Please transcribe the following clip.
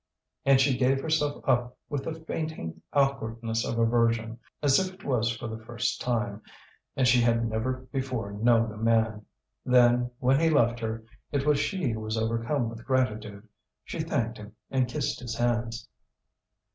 And she gave herself up with the fainting awkwardness of a virgin, as if it was for the first time, and she had never before known a man. Then when he left her, it was she who was overcome with gratitude; she thanked him and kissed his hands.